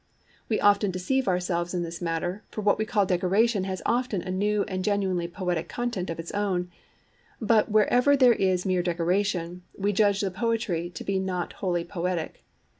We often deceive ourselves in this matter, for what we call decoration has often a new and genuinely poetic content of its own; but wherever there is mere decoration, we judge the poetry to be not wholly poetic.